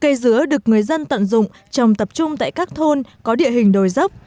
cây dứa được người dân tận dụng trồng tập trung tại các thôn có địa hình đồi dốc